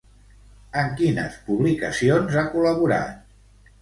En quines publicacions ha col·laborat?